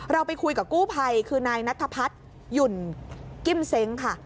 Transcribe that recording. เราไปคุยกับกู้ภัยคือนายนัทพัฒน์หยุ่นกิ้มเซ้งค่ะ